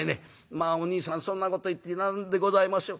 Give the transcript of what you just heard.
『まあおにいさんそんなこと言って何でございましょう。